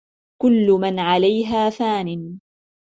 كل من عليها فان